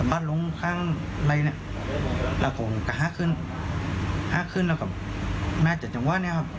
ไปลงข้ามล้าคนงานแล้วก็ขยักขึ้นแล้วครับแม่จัดจังว่านี้ครับ